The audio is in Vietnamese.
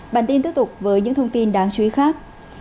bản tin tiếp tục với những thông tin đáng chú ý khác